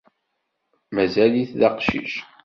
Mazal-it d aqcic